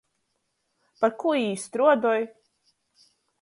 Par kū jī struodoj?